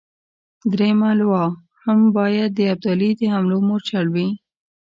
درېمه لواء هم باید د ابدالي د حملو مورچل وي.